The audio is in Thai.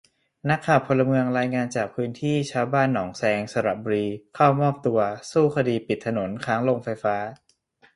นักข่าวพลเมืองรายงานจากพื้นที่ ชาวบ้านหนองแซง สระบุรี เข้ามอบตัว สู้คดีปิดถนนค้านโรงไฟฟ้า